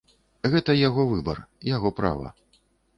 Гэта яго выбар, яго права.